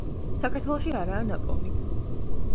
საქართველოში არაა ნაპოვნი.